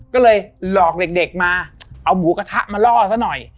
ก็เลยหลอกเด็กมาเอาหมูกระทะมาล่อซะหน่อย